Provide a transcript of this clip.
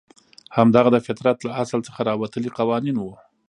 همدغه د فطرت له اصل څخه راوتلي قوانین وو.